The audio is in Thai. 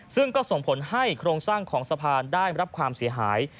ซึ่งก็ส่งผลให้โครงสร้างของสะพานได้รับความเสียหาย